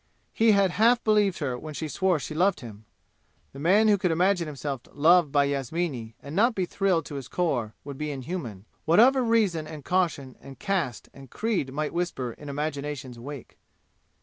He had half believed her when she swore she loved him! The man who could imagine himself loved by Yasmini and not be thrilled to his core would be inhuman, whatever reason and caution and caste and creed might whisper in imagination's wake.